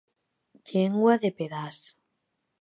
Llengua de pedaç.